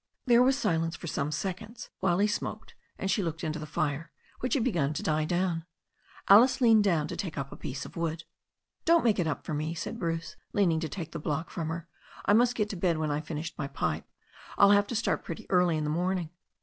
There was silence for some seconds while he smoked and she looked into the fire, which had begun to die down. Alice leaned down to take up a piece of wood. "Don't make it up for me," said Bruce, leaning to take the block from her. "I must get to bed when I've finished my pipe. I'll have to start pretty early in the morning."